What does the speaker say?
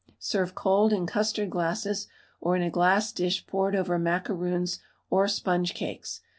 Serve cold in custard glasses, or in a glass dish poured over macaroons or sponge cakes.